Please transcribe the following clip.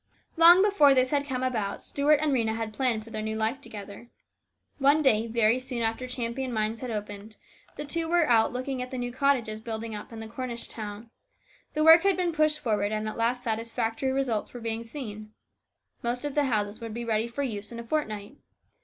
Long before this had come about, Stuart and Rhena had planned for their new life together. One day, very soon after Champion mines had opened, the two were out looking at the new cottages building up in Cornish town. The work had been pushed forward, and at last satisfactory results were being seen. Most of the houses would be ready for use in a fortnight.